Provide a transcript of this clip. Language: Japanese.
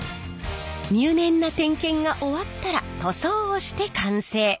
入念な点検が終わったら塗装をして完成！